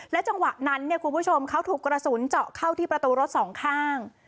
จังหวะนั้นเนี่ยคุณผู้ชมเขาถูกกระสุนเจาะเข้าที่ประตูรถสองข้าง